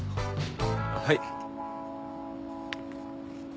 はい。